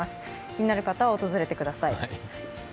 気になる方は訪れてみてください。